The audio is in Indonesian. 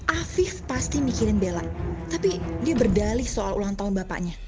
afif pasti mikirin bela tapi dia berdalih soal ulang tahun bapaknya